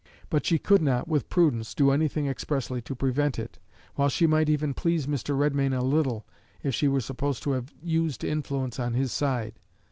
But she could not with prudence do anything expressly to prevent it; while she might even please Mr. Redmain a little, if she were supposed to have used influence on his side.